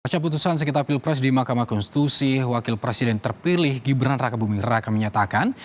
pasca putusan sekitar pilpres di mahkamah konstitusi wakil presiden terpilih gibran raka buming raka menyatakan